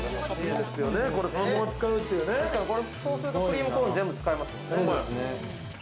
そうするとクリームコーン全部使えますもんね。